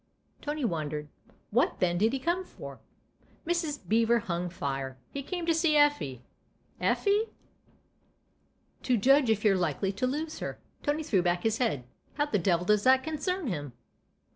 Tony wondered. "What, then, did he corne for ?" Mrs. Beever hung fire. " He came to see Effte." " Effie ?"" To judge if you're likely to lose her." Tony threw back his head. " How the devil does that concern him